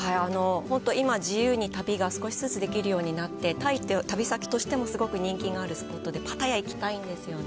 本当、自由に旅が少しずつできるようになって、タイって旅先としてもすごく人気があるスポットで、パタヤ行きたいんですよね。